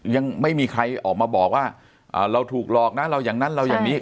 ยังไม่มีใครออกมาบอกว่าเราถูกหลอกนะเราอย่างนั้นเราอย่างนี้